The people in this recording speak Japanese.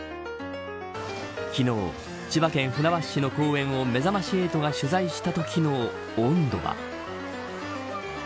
昨日、千葉県船橋市の公園をめざまし８が取材したときの温度は。